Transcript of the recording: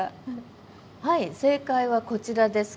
はい正解はこちらです。